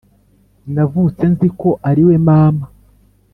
Navutse nziko ariwe mama